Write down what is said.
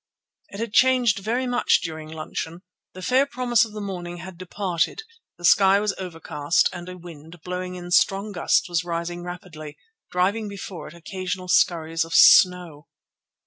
It had changed very much during luncheon. The fair promise of the morning had departed, the sky was overcast, and a wind, blowing in strong gusts, was rising rapidly, driving before it occasional scurries of snow.